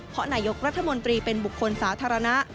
เพราะนายกรัฐมนตรีเป็นบุคคลสาธารณะ